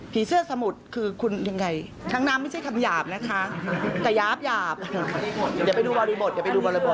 ผีเสื้อสมุทรคือคุณยังไงช้างน้ำไม่ใช่คำหยาบนะคะแต่หยาบ